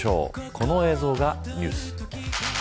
この映像がニュース。